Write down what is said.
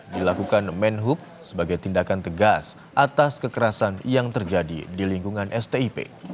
dilakukan menhub sebagai tindakan tegas atas kekerasan yang terjadi di lingkungan stip